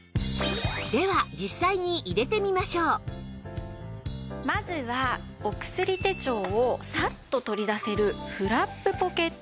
では実際にまずはお薬手帳をサッと取り出せるフラップポケット。